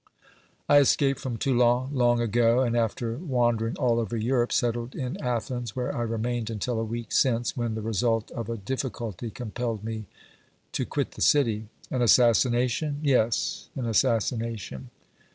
"I escaped from Toulon long ago, and, after wandering all over Europe, settled in Athens, where I remained until a week since, when the result of a difficulty compelled me to quit the city." "An assassination?" "Yes, an assassination!"